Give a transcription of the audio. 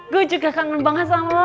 gue juga kangen banget sama lo